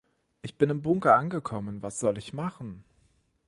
Ich bin im Bunker angekommen. Was soll ich machen?